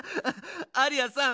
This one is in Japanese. アリアさん